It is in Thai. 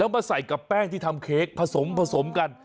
แล้วมาใส่กับแป้งที่ทำเค้กผสมกัน